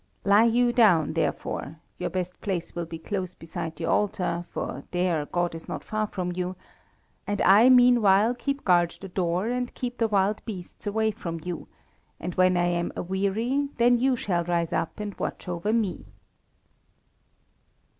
Lie you down, therefore your best place will be close beside the altar, for there God is not far from you, and I meanwhile keep guard the door and keep the wild beasts away from you, and when I am aweary, then you shall rise up and watch over me."